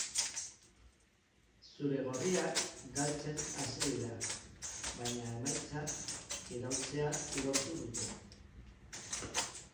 Zuri-gorriak galtzen hasi dira, baina emaitza iraultzea lortu dute.